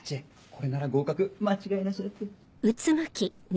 これなら合格間違いなしだって。